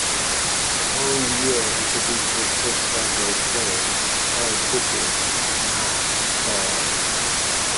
The following year, he produced his first Broadway play, Clyde Fitch's "Masked Ball".